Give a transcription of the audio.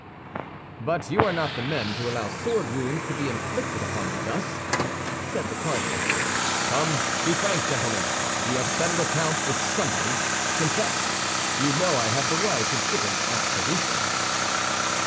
"But you are not the men to allow sword wounds to be inflicted upon you thus," said the cardinal. "Come, be frank, gentlemen, you have settled accounts with somebody! Confess; you know I have the right of giving absolution."